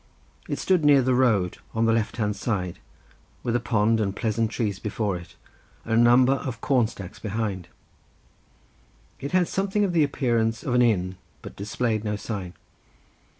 It stood near the road, on the left hand side, with a pond and pleasant trees before it, and a number of corn stacks behind. It had something the appearance of an inn, but displayed no sign.